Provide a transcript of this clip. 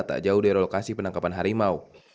tak jauh dari lokasi penangkapan harimau